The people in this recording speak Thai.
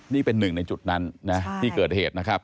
นี่เป็นหนึ่งในจุดนั้นนะที่เกิดเหตุนะครับ